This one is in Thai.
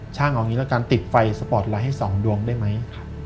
ช่างเอาอย่างนี้แล้วกันติดไฟสปอร์ตไลท์ให้๒ดวงได้ไหม